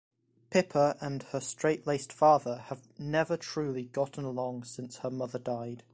Pippa and her straight-laced father have never truly gotten along since her mother died.